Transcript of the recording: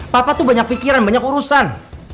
papa tuh banyak pikiran banyak urusan